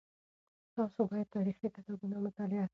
تاسو باید تاریخي کتابونه مطالعه کړئ.